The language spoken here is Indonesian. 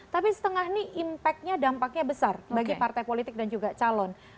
tapi setengah ini impact nya dampaknya besar bagi partai politik dan juga calon